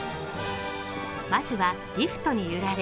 まずはリフトに揺られ